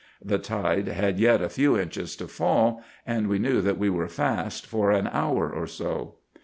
The tide had yet a few inches to fall, and we knew that we were fast for an hour or so.